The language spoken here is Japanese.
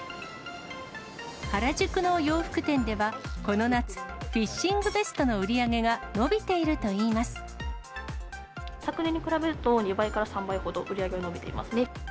原宿の洋服店ではこの夏、フィッシングベストの売り上げが伸びて昨年に比べると、２倍から３倍ほど売り上げは伸びてますね。